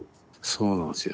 そうなんすよ。